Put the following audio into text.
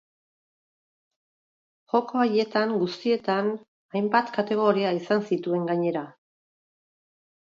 Joko haietan guztietan, hainbat kategoria izan zituen gainera.